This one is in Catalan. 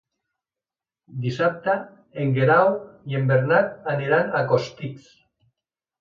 Dissabte en Guerau i en Bernat aniran a Costitx.